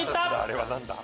あれは何だ？